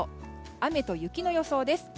雨と雪の予想です。